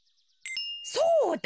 そうだ！